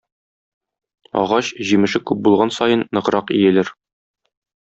Агач, җимеше күп булган саен, ныграк иелер.